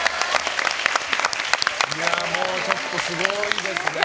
もうちょっとすごいですね。